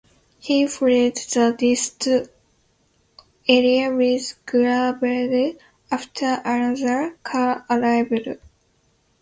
He fled the rest area with Gravell after another car arrived.